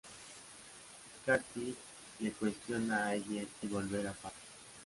Katie le cuestiona a ellen el volver a Paty.